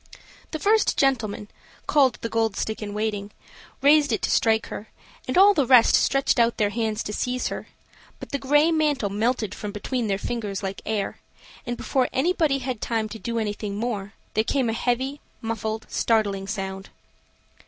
The first gentleman, called the Gold stick in waiting, raised it to strike her, and all the rest stretched out their hands to seize her; but the gray mantle melted from between their fingers like air; and, before anybody had time to do anything more, there came a heavy, muffled, startling sound.